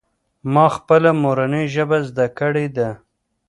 ما پخپله مورنۍ ژبه زده کړه کړې ده.